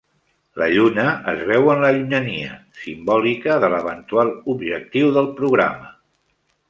La lluna es veu en la llunyania, simbòlica de l'eventual objectiu del programa.